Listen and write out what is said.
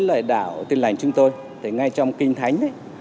với lời đạo tin lành chúng tôi thì ngay trong kinh thánh ấy